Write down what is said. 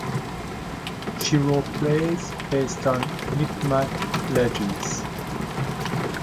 She wrote plays based on Mi’kmaq legends.